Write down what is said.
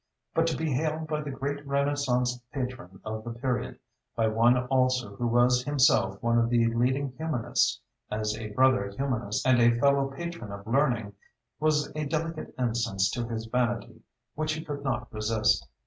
But to be hailed by the great Renaissance patron of the period, by one also who was himself one of the leading humanists, as a brother humanist and a fellow patron of learning, was a delicate incense to his vanity which he could not resist.